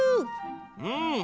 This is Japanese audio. うん。